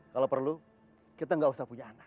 kalau perlu kita nggak usah punya anak